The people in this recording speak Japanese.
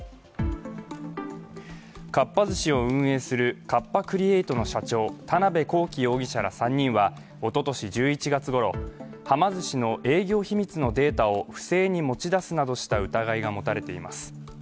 かっぱ寿司を運営するカッパ・クリエイトの社長、田辺公己容疑者ら３人はおととし１１月ごろ、はま寿司の営業秘密のデータを不正に持ち出すなどした疑いが持たれています。